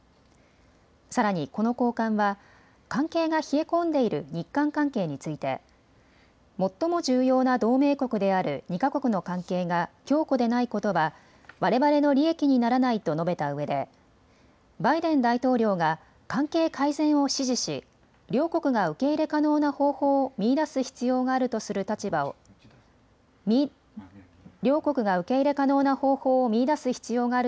さらに、この高官は関係が冷え込んでいる日韓関係について最も重要な同盟国である２か国の関係が強固でないことはわれわれの利益にならないと述べたうえでバイデン大統領が関係改善を支持し両国が受け入れ可能な方法を見いだす必要があるとする立場を打ち出すという見通しを示しました。